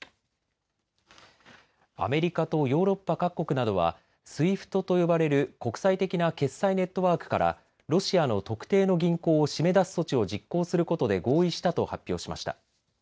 アメリカとヨーロッパ各国などはＳＷＩＦＴと呼ばれる国際的な決済ネットワークからロシアの特定の銀行を締め出す措置を実行することで合意したと発表しました。